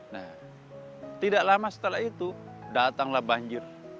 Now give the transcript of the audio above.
nah tidak lama setelah itu datanglah banjir